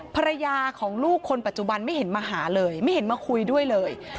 ภรรยาของลูกคนปัจจุบันไม่เห็นมาหาเลยไม่เห็นมาคุยด้วยเลย